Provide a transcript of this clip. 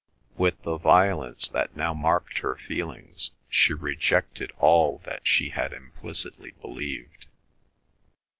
With the violence that now marked her feelings, she rejected all that she had implicitly believed.